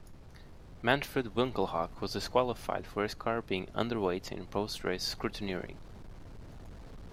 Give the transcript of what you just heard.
Manfred Winkelhock was disqualified for his car being underweight in post-race scrutineering.